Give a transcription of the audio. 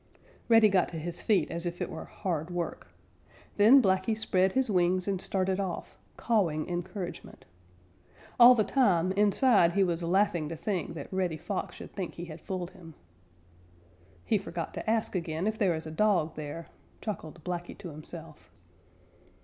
Reddy got to his feet as if it were hard work. Then Blacky spread his wings and started off, cawing encouragement. All the time inside he was laughing to think that Reddy Fox should think he had fooled him. "He forgot to ask again if there is a dog there," chuckled Blacky to himself.